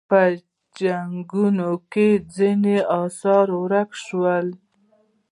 په جنګونو کې ځینې اثار ورک شول